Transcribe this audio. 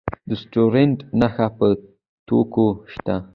د سټنډرډ نښه په توکو شته؟